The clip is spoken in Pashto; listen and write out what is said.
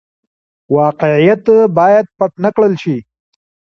واقعيت بايد پټ نه کړل شي.